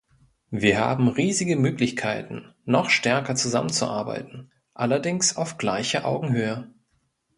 Wir haben riesige Möglichkeiten, noch stärker zusammenzuarbeiten, allerdings auf gleicher Augenhöhe.